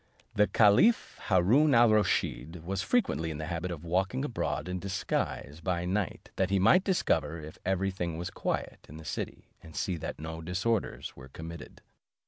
The caliph Haroon al Rusheed was frequently in the habit of walking abroad in disguise by night, that he might discover if every thing was quiet in the city, and see that no disorders were committed.